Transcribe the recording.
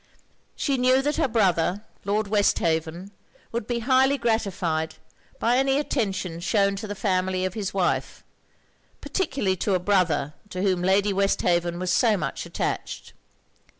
She knew that her brother, Lord Westhaven, would be highly gratified by any attention shewn to the family of his wife; particularly to a brother to whom Lady Westhaven was so much attached.